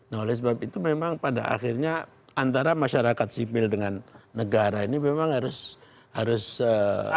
nah oleh sebab itu memang pada akhirnya antara masyarakat sipil dengan negara ini memang harus